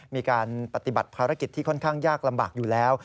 มีการปฏิบัติภารกิจที่ค่อนข้างยากลำบากอยู่แล้ว